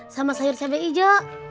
sama sayur cabai hijau